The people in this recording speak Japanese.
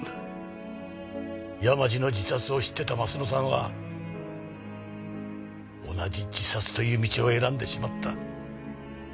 山路の自殺を知ってた鱒乃さんは同じ自殺という道を選んでしまった。